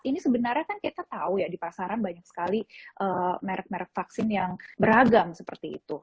ini sebenarnya kan kita tahu ya di pasaran banyak sekali merek merek vaksin yang beragam seperti itu